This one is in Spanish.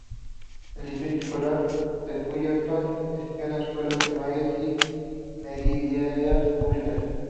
El Distrito Escolar de Fullerton gestiona escuelas primarias y medias públicas.